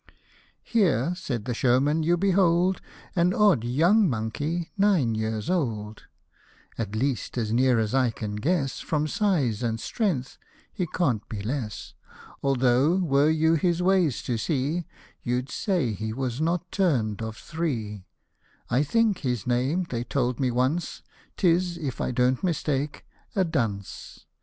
" Here," said the showman, you behold An odd young monkey, nine years old ; At least, as near as I can guess From size and strength, he can't be less, Although were you his ways to see, You'd say he was not turn'd of three ; I think, his name they told me once, 'Tis, if 1 don't mistake, a dunce.